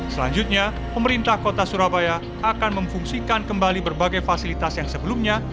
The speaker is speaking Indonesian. selanjutnya pemerintah kota surabaya akan memfungsikan kembali berbagai fasilitas yang sebelumnya